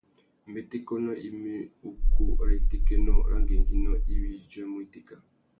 Mbétékénô i mú ukú râ itékénô râ ngüéngüinô iwí i djuêmú itéka.